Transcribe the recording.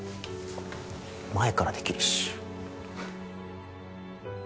前から出来るし。